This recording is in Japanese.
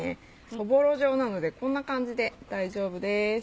そぼろ状なのでこんな感じで大丈夫です。